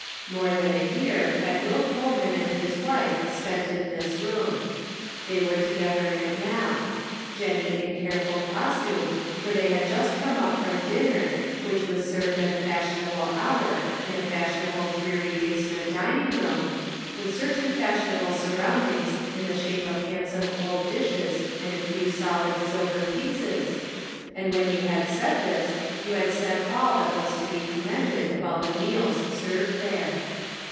More 'than a year had Will Coleman and his wife spent in this room. They were together in it now; Jennie in careful costume, for they had just come up from dinner, which was served at a fashionable hour, in a fashionable dreary basement dining room, with certain fashionable surroundings in the shape of handsome old dishes and a few solid silver pieces, and when you had said this, you had said all that was to be com mended about the meals served there.